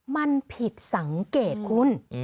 มันผิดสังเกตคุณ